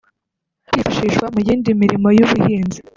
kwifashishwa mu yindi mirimo y’ubuhinzi